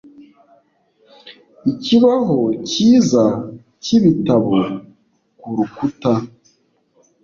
Ikibaho cyiza cyibitabo kurukuta